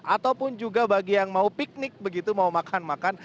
ataupun juga bagi yang mau piknik begitu mau makan makan